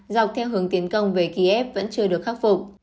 dọc theo hướng tiến công về kiev vẫn chưa được khắc phục